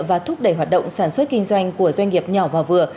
và thúc đẩy hoạt động sản xuất kinh doanh của doanh nghiệp nhỏ và vừa